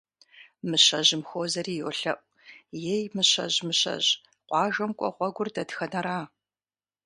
Мыщэжьым хуозэри йолъэӏу: Ей, Мыщэжь, Мыщэжь, къуажэм кӏуэ гъуэгур дэтхэнэра?